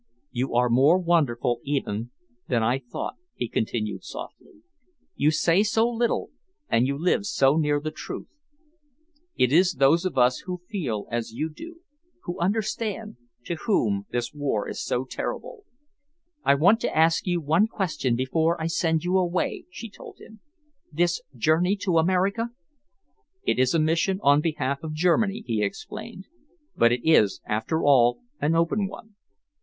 "You are more wonderful even than I thought," he continued softly. "You say so little and you live so near the truth. It is those of us who feel as you do who understand to whom this war is so terrible." "I want to ask you one question before I send you away," she told him. "This journey to America?" "It is a mission on behalf of Germany," he explained, "but it is, after all, an open one.